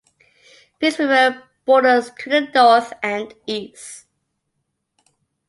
Peace River borders to the north and east.